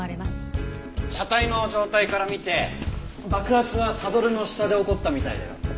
車体の状態から見て爆発はサドルの下で起こったみたいだよ。